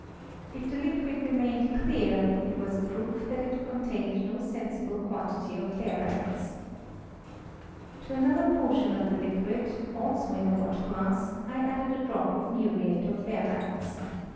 If the liquid remained clear it was a proof that it contained no sensible quantity of barytes. To another portion of the liquid, also in a watch glass, I added a drop of muriate of barytes.